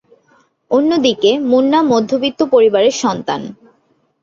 অন্যদিকে মুন্না মধ্যবিত্ত পরিবারের সন্তান।